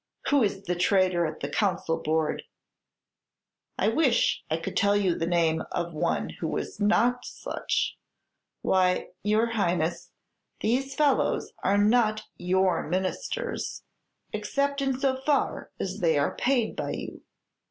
Who is the traitor at the Council board?" "I wish I could tell you the name of one who was not such. Why, your Highness, these fellows are not your Ministers, except in so far as they are paid by you.